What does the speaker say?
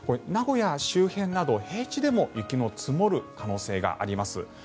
名古屋周辺など平地でも雪の積もる可能性があります。